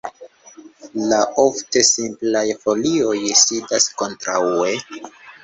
La ofte simplaj folioj sidas kontraŭe.